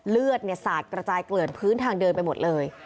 เลือดสาดกระจายเกลื่อนพื้นทางเดินไปหมดเลย